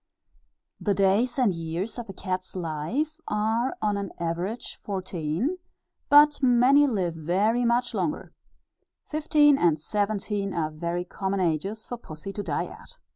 The days and years of a cat's life, are on an average fourteen, but many live very much longer. Fifteen and seventeen are very common ages for Pussy to die at.